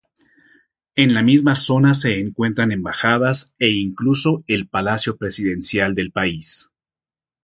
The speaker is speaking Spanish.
En la misma zona se encuentran embajadas e incluso el palacio presidencial del país.